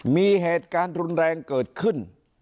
มีเหตุการณ์รุนแรงเกิดขึ้น